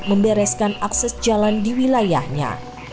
membereskan akses jalan di wilayahnya